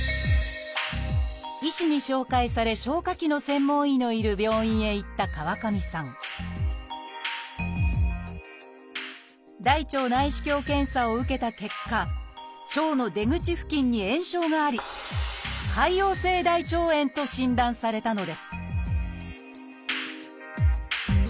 医師に紹介され消化器の専門医のいる病院へ行った川上さん大腸内視鏡検査を受けた結果腸の出口付近に炎症があり「潰瘍性大腸炎」と診断されたのです